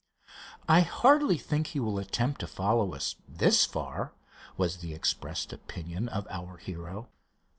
"I hardly think he will attempt to follow us this far," was the expressed opinion of our hero.